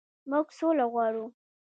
موږ سوله غواړو